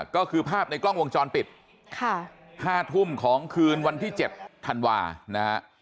ก็คือภาพในกล้องวงจรปิด๕ทุ่มของคืนวันที่๗ธันวานะฮะ